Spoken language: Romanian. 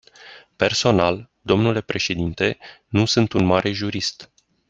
Personal, domnule președinte, nu sunt un mare jurist.